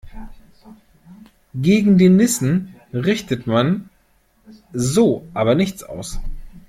Gegen die Nissen richtet man so aber nichts aus.